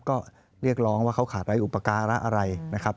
ก็เรียกร้องว่าเขาขาดไปอุปการะอะไรนะครับ